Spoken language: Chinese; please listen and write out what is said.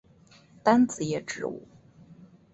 单子叶植物。